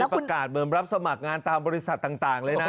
ประกาศเหมือนรับสมัครงานตามบริษัทต่างเลยนะ